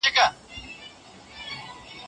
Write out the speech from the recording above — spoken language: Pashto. پرون مي غوښي د زړګي خوراك وې